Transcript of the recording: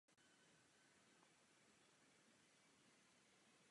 Zpráva v této fázi nepředkládá úplné řešení.